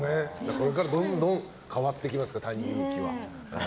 これからどんどん変わっていきますからＴａｎｉＹｕｕｋｉは。